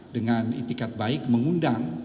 dengan itikat baik mengundang